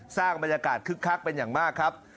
สร้างบรรยากาศคึกคักเป็นอย่างมากครับ